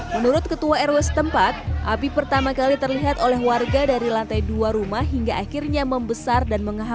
menurut ketua rw setempat api pertama kali terlihat oleh warga dari lantai dua rumah hingga akhirnya membesar dan menghambat